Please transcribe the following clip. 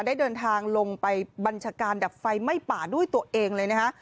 ได้เดินทางลงไปบัญชาการดับไฟไหม้ป่าด้วยตัวเองเลยนะฮะ